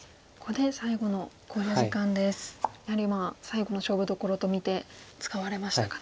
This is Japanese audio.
やはり最後の勝負どころと見て使われましたかね。